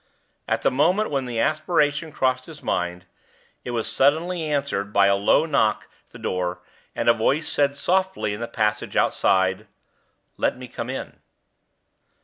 At the moment when the aspiration crossed his mind, it was suddenly answered by a low knock at the door, and a voice said softly in the passage outside, "Let me come in."